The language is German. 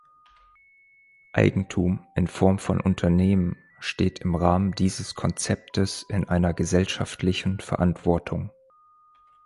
Eigentum in Form von Unternehmen steht im Rahmen dieses Konzeptes in einer gesellschaftlichen Verantwortung.